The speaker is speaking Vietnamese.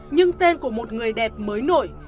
nhưng tên của một người đẹp mới nổi